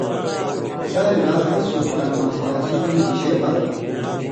ساریۡ رال ݜس سُوچ کرمان٘س چے اسی ملی گِشے بال بنم۔